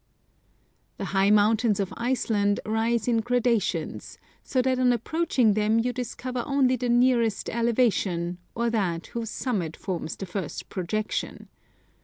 "The high mountains of Iceland rise in grada tions, so that on approaching them you discover only the nearest elevation, or that whose summit forms the first projection.